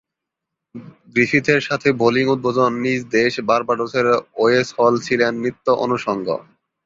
গ্রিফিথের সাথে বোলিং উদ্বোধনে নিজ দেশ বার্বাডোসের ওয়েস হল ছিলেন নিত্য অনুষঙ্গ।